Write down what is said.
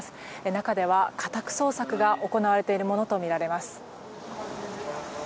中では家宅捜索が行われているものとみられます。